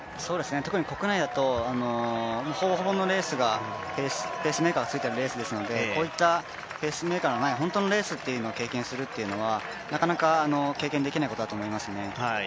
特に国内だとほぼほぼのレースがペースメーカーがついているレースですのでこういったペースメーカーのいない本当のレースっていうのを経験するっていうのはなかなか経験できないことだと思いますね。